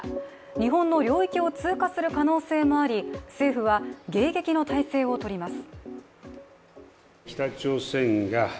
日本の領域を通過する可能性もあり、政府は迎撃の態勢をとります。